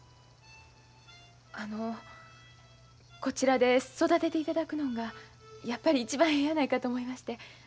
あのこちらで育てていただくのんがやっぱり一番ええやないかと思いまして。